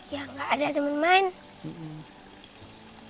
ya gak ada teman main